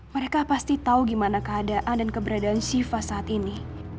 mereka pasti tahu gimana keadaan dan keberadaan shiva saat ini